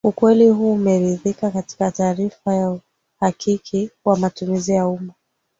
Ukweli huu umedhihirika katika taarifa ya uhakiki wa matumizi ya umma